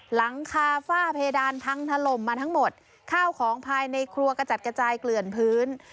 หลังคาฝ้าเพดานพังถล่มมาทั้งหมดข้าวของภายในครัวกระจัดกระจายเกลื่อนพื้น